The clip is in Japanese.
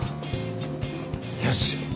よし。